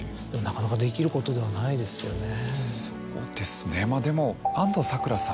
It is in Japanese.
なかなかできることではないですよね。